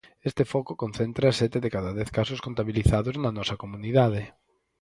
Este foco concentra sete de cada dez casos contabilizados na nosa comunidade.